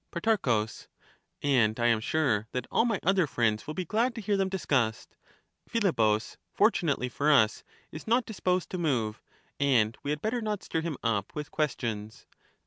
Pro, And I am sure that all my other friends will be glad to hear them discussed ; Philebus, fortunately for us, is not disposed to move, and we had better not stir him up with questions.